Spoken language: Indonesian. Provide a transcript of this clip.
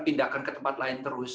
pindahkan ke tempat lain terus